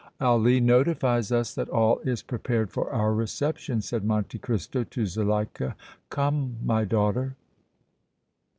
"Ali notifies us that all is prepared for our reception," said Monte Cristo to Zuleika. "Come, my daughter!"